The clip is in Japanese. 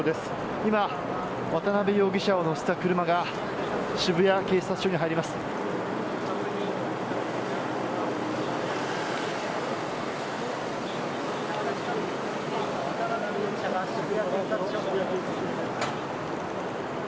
今、渡辺容疑者を乗せた車が渋谷警察署に入ります。